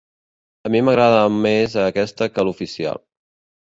A mi m'agrada més aquesta que l'oficial.